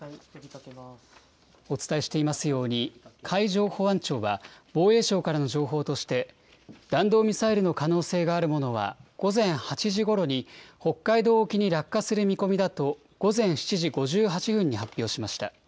お伝えしていますように、海上保安庁は防衛省からの情報として、弾道ミサイルの可能性があるものは、午前８時ごろに北海道沖に落下する見込みだと午前７時５８分に発表しました。